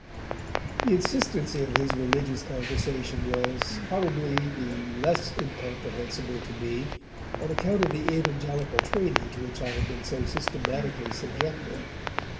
The insistency of his religious conversation was, probably, the less incomprehensible to me on account of the evangelical training to which I had been so systematically subjected.